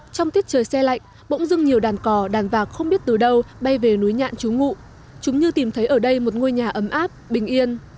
trong tiết trời xe lạnh bỗng dưng nhiều đàn cò đàn vạc không biết từ đâu bay về núi nhạn chú ngụ chúng như tìm thấy ở đây một ngôi nhà ấm áp bình yên